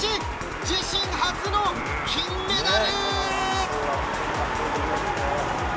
自身初の金メダル！